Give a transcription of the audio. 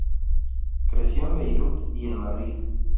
Creció en Beirut y en Madrid.